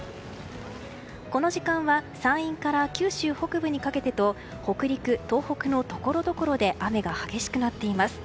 この時間は山陰から九州北部にかけてと北陸、東北のところどころで雨が激しくなっています。